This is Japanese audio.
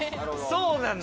そうなんだ